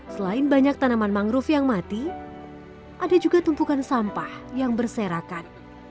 selain banyak tanaman mangrove yang mati ada juga tumpukan sampah yang berserakan